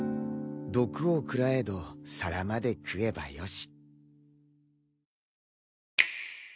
毒を食らえど皿まで食えばよし。